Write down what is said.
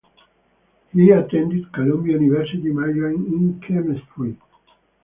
He attended Columbia University majoring in chemistry.